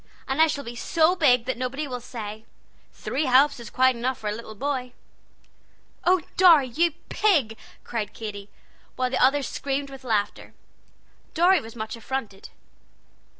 And I shall be so big then that nobody will say, 'Three helps is quite enough for a little boy.'" "Oh, Dorry, you pig!" cried Katy, while the others screamed with laughter. Dorry was much affronted.